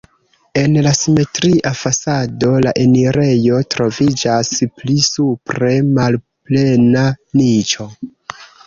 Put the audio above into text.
En la simetria fasado la enirejo troviĝas, pli supre malplena niĉo.